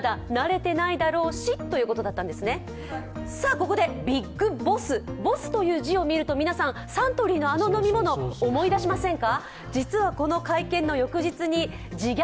ここでビッグボス、ボスという字を見ると皆さんサントリーのあの飲み物思い出しませんか？